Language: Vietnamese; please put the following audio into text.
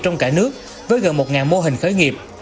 trong cả nước với gần một mô hình khởi nghiệp